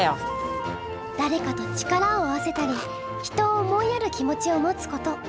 だれかと力を合わせたり人を思いやる気持ちを持つこと。